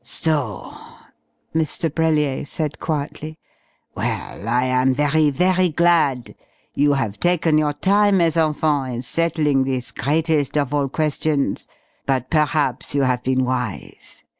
"So?" Mr. Brellier said quietly. "Well, I am very, very glad. You have taken your time, mes enfants, in settling this greatest of all questions, but perhaps you have been wise....